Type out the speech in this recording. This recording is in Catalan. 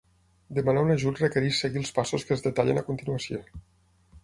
Demanar un ajut requereix seguir els passos que es detallen a continuació.